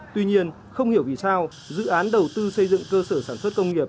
tuy nhiên không hiểu vì sao dự án đầu tư xây dựng cơ sở sản xuất công nghiệp